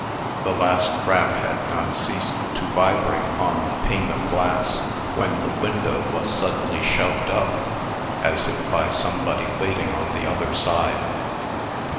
The last rap had not ceased to vibrate on the pane of glass, when the window was suddenly shoved up, as if by somebody waiting on the other side.